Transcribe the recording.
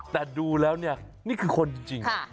แต่ดูแล้วนี่คือคนจริง